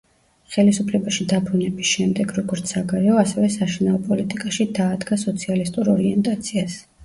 ხელისუფლებაში დაბრუნების შემდეგ როგორც საგარეო, ასევე საშინაო პოლიტიკაში დაადგა სოციალისტურ ორიენტაციას.